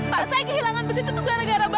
pak saya kehilangan bus itu tuh gara gara bapak